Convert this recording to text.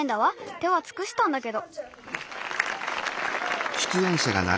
手はつくしたんだけど。